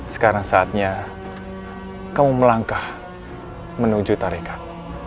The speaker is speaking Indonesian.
sekarang saatnya kamu melangkah menuju tarekat